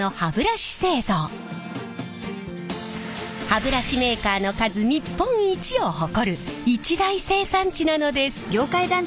歯ブラシメーカーの数日本一を誇る一大生産地なのです。